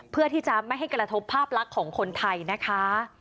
เพื่อที่จะไม่ให้กระทบภาพลักษณ์ของคนไทยนะคะ